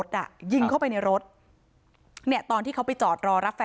ได้ทำแต่เฉพาะตัดมา